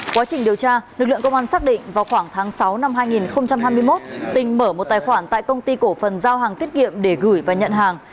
quá trình điều tra lực lượng công an xác định vào khoảng tháng sáu năm hai nghìn hai mươi một tình mở một tài khoản tại công ty cổ phần giao hàng tiết kiệm để gửi và nhận hàng